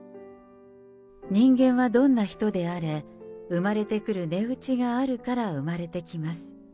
人間はどんな人であれ、生まれてくる値打ちがあるから生まれてきます。